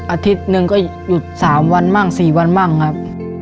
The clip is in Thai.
อาทิตย์หนึ่งก็หยุด๓วันบ้าง๔วันบ้างครับ